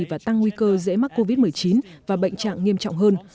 và tăng nguy cơ dễ mắc covid một mươi chín và bệnh trạng nghiêm trọng hơn